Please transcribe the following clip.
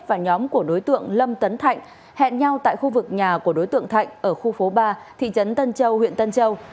và nhóm của đối tượng lâm tấn thạnh hẹn nhau tại khu vực nhà của đối tượng thạnh ở khu phố ba thị trấn tân châu huyện tân châu